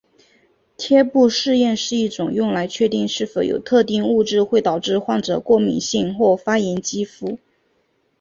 贴布试验是一种用来确定是否有特定物质会导致患者过敏性或发炎肌肤。